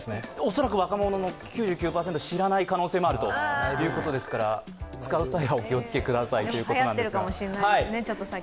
恐らく若者の９９％は知らない可能性があるということですから、使う際はお気を付けくださいということですが。